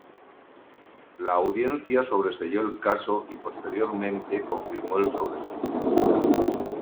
La audiencia sobreseyó el caso y posteriormente confirmó el sobreseimiento.